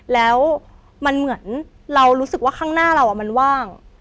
แล้วมันเหมือนเรารู้สึกว่าข้างหน้าเรามันว่าง